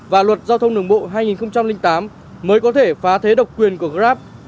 và luật giao thông đường bộ hai nghìn tám mới có thể phá thế độc quyền của grab